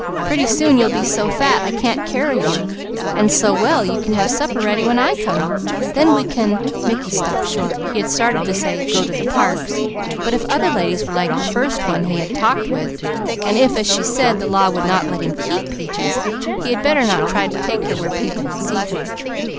"Pretty soon you'll be so fat I can't carry you and so well you can have supper ready when I come, then we can " Mickey stopped short. He had started to say, "go to the parks," but if other ladies were like the first one he had talked with, and if, as she said, the law would not let him keep Peaches, he had better not try to take her where people would see her.